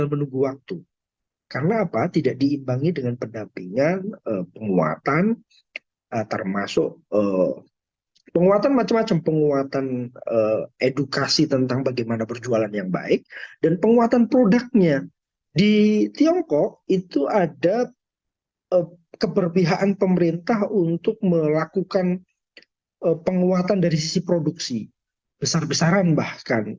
entah untuk melakukan penguatan dari sisi produksi besar besaran bahkan